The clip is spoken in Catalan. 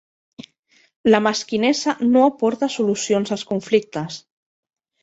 La mesquinesa no aporta solucions als conflictes.